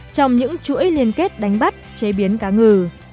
trong những chuỗi liên kết đánh bắt chế biến cá ngừ